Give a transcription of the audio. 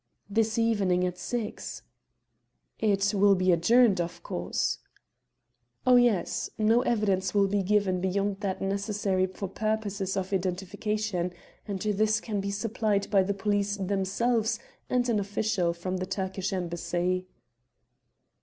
"This evening at six." "It will be adjourned, of course?" "Oh, yes; no evidence will be given beyond that necessary for purposes of identification, and this can be supplied by the police themselves and an official from the Turkish Embassy."